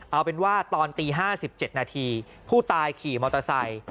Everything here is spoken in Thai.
เอาเป็นว่าตอนตี๕๗นาทีผู้ตายขี่มอเตอร์ไซค์